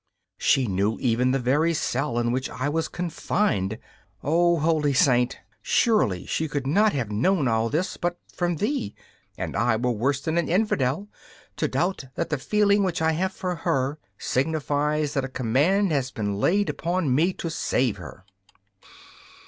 She knew even the very cell in which I was confined. O holy Saint! surely she could not have known all this but from thee; and I were worse than an infidel to doubt that the feeling which I have for her signifies that a command has been laid upon me to save her.